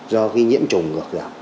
do khi nhiễm trùng ngược gặp